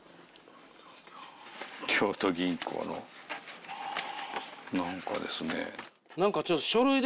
京都銀行の何かですね。